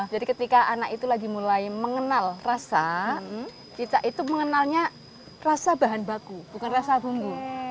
jadi ketika anak itu lagi mulai mengenal rasa itu mengenalnya rasa bahan baku bukan rasa bumbu